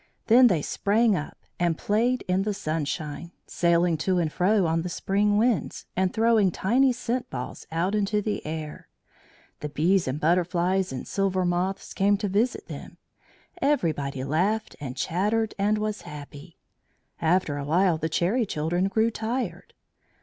Then they sprang up and played in the sunshine, sailing to and fro on the spring winds, and throwing tiny scent balls out into the air. The bees and butterflies and silver moths came to visit them; everybody laughed and chattered and was happy. After a while the Cherry Children grew tired.